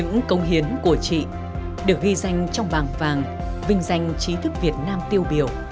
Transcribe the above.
những công hiến của chị được ghi danh trong bảng vàng vinh danh trí thức việt nam tiêu biểu